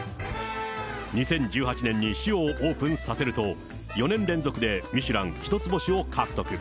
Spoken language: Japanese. ２０１８年にシオをオープンさせると、４年連続でミシュラン１つ星を獲得。